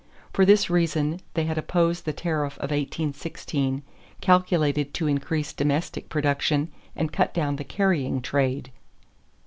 For this reason, they had opposed the tariff of 1816 calculated to increase domestic production and cut down the carrying trade.